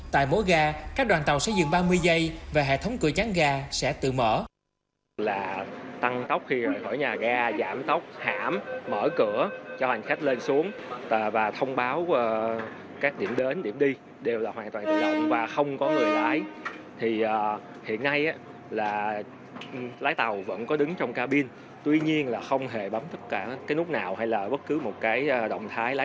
tại mỗi ga các đoàn tàu sẽ dừng ba mươi giây và hệ thống cửa chán ga sẽ tự mở